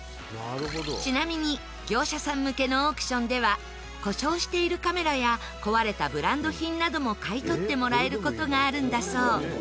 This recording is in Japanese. ちなみに業者さん向けのオークションでは故障しているカメラや壊れたブランド品なども買い取ってもらえる事があるんだそう